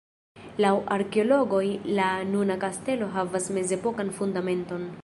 Laŭ arkeologoj la nuna kastelo havas mezepokan fundamenton.